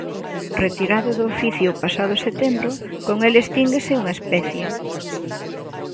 Retirado do oficio o pasado setembro, con el extínguese unha especie.